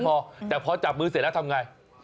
แค่นั้นพอแต่พอจับมือเสร็จแล้วทำอย่างไร